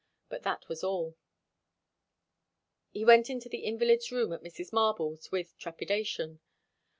But that was all. He went into the invalid's room at Mrs. Marble's with trepidation.